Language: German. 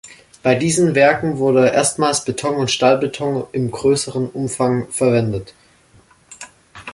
Bei diesen Werken wurde erstmals Beton und Stahlbeton im größeren Umfang verwendet.